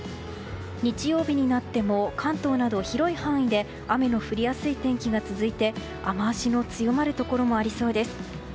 日曜日になっても関東など広い範囲で雨の降りやすい天気が続いて雨脚の強まるところもありそうです。